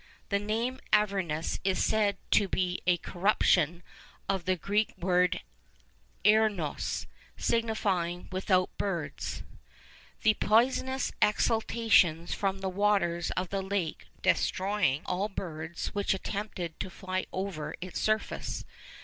The name Avernus is said to be a corruption of the Greek word Aornos, signifying 'without birds,' the poisonous exhalations from the waters of the lake destroying all birds which attempted to fly over its surface.